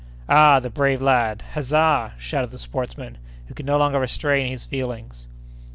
Ah! the brave lad! Huzza!" shouted the sportsman, who could no longer restrain his feelings.